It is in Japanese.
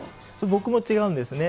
僕も違うんですね。